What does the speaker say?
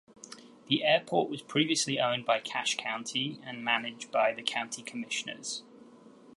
The Airport was previously owned by Cache County and managed by the County Commissioners.